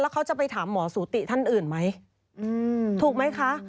เขาจะไปถามหมอสูติท่านอื่นไหมถูกไหมคะ